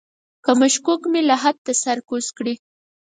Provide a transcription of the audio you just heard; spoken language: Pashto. که معشوق مې لحد ته سر کوز کړي.